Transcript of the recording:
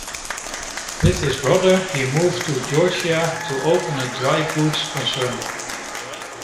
With his brother he moved to Georgia to open a dry-goods concern.